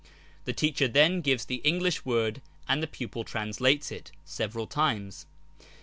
The teacher then gives the English word and the pupil translates it, several times.